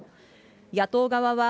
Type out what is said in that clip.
野党側は、